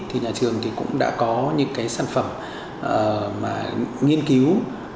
thì nhà trường cũng đã có những cái sản phẩm nghiên cứu